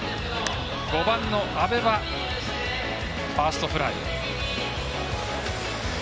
５番の阿部はファーストフライ。